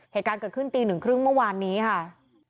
เหตุการณ์เกิดขึ้นตีหนึ่งครึ่งเมื่อวานนี้ค่ะ